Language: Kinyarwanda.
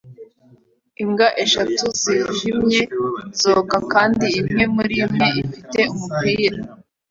Imbwa eshatu zijimye zoga kandi imwe murimwe ifite umupira